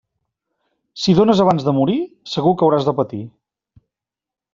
Si dónes abans de morir, segur que hauràs de patir.